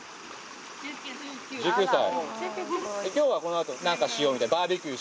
１９歳。